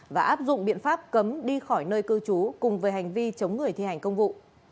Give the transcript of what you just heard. và áp dụng biện pháp cấm đi khỏi nơi cư trú cùng với hành vi chống người thi hành công vụ